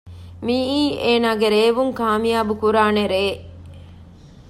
މިއީ އޭނާގެ ރޭވުން ކާމިޔާބު ކުރާނެ ރޭ